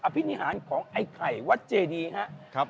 อภิวินิหารของไอ้ไข่วัทเจดนีฮะ